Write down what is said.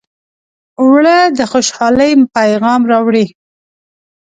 اوړه د خوشحالۍ پیغام راوړي